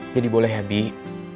jadi boleh ya bik